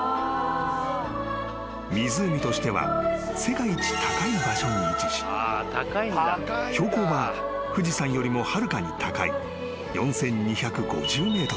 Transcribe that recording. ［湖としては世界一高い場所に位置し標高は富士山よりもはるかに高い４，２５０ｍ］